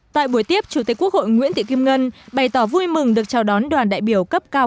tại buổi tiếp chủ tịch quốc hội nguyễn thị kim ngân bày tỏ vui mừng được chào đón đoàn đại biểu cấp cao